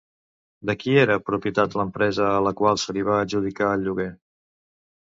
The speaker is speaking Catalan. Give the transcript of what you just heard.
De qui era propietat l'empresa a la qual se li va adjudicar el lloguer?